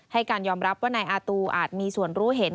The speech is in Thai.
ให้การยอมรับว่านายอาตูอาจมีส่วนรู้เห็น